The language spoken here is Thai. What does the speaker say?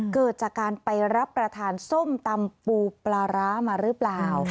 เกิดจากการไปรับประทานส้มตำปูปลาร้ามาหรือเปล่า